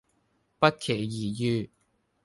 不期而遇